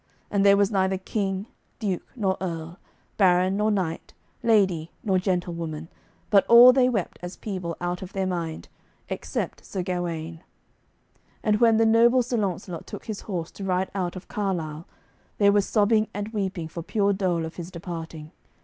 And there was neither king, duke nor earl, baron nor knight, lady nor gentlewoman, but all they wept as people out of their mind, except Sir Gawaine; and when the noble Sir Launcelot took his horse, to ride out of Carlisle, there was sobbing and weeping for pure dole of his departing.